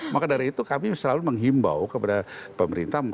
maka dari itu kami selalu menghimbau kepada pemerintah